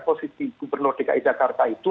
posisi gubernur dki jakarta itu